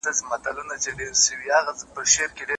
له دې شاړو وچو مځکو بیا غاټول را زرغونیږي